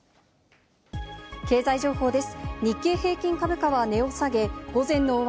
経済情報です。